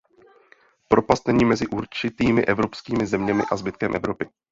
Propast není mezi určitými evropskými zeměmi a zbytkem Evropy.